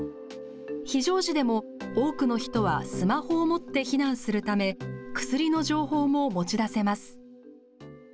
非常時でも多くの人はスマホを持って避難するため薬の情報も持ち出せます。